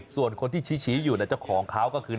ส่วนคนที่ชี้อยู่เจ้าของเขาก็คือ